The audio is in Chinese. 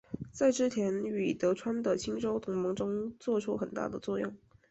在织田与德川的清洲同盟中作出很大的作用。